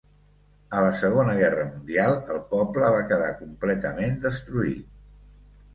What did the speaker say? A la Segona Guerra Mundial el poble va quedar completament destruït.